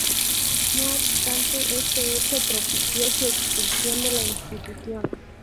No obstante, este hecho propicio su expulsión de la Institución".